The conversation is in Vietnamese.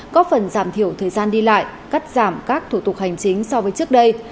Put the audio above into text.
có phần giảm thiểu thời gian đi lại cắt giảm các thủ tục hành chính so với trước đây